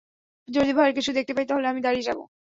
যদি ভয়ের কিছু দেখতে পাই তাহলে আমি দাঁড়িয়ে যাব।